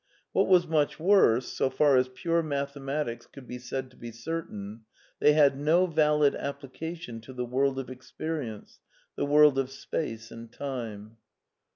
What was much worse, so far as pure mathematics could be said to be certain, ^ they had no valid application to the world of experience, | the world of space and time.